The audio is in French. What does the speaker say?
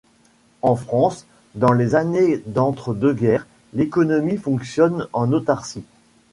En France, dans les années d'entre deux guerres, l'économie fonctionne en autarcie.